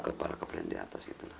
kepala kepala yang diatas gitu